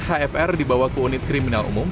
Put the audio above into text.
hfr dibawa ke unit kriminal umum